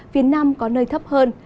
phía nam có nơi thấp hơn